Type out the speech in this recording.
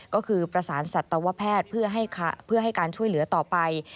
ก็คือประสานสัตวแพทย์เพื่อให้การช่วยเหลือต่อไป